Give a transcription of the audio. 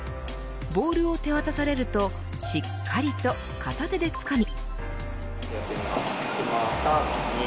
ボールを手渡されるとしっかりと片手でつかみ。